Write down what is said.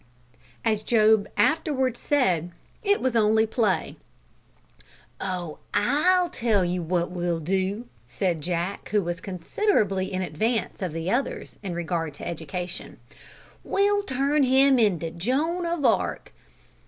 As Job afterwards said, it was only play. "Oh! I'll tell you what we'll do," said Jack, who was considerably in advance of the others in regard to education, "we'll turn him into Joan of Arc."